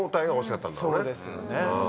そうですよね。